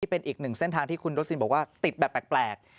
เป็นอีกหนึ่งเส้นทางที่คุณรถซินบอกว่าติดแบบแปลก